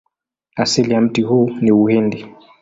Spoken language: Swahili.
Asili ya mti huu ni Uhindi.